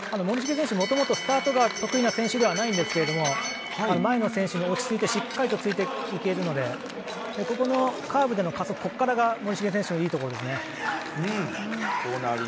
森重選手、もともとスタートが得意な選手ではないんですけど前の選手に落ち着いてしっかりついていけてるのでカーブでの加速が森重選手のいいところですね。